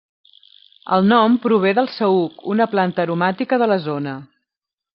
El nom prové del saüc, una planta aromàtica de la zona.